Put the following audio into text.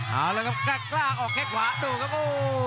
เอาละครับกล้าออกแค่ขวาดูครับโอ้โห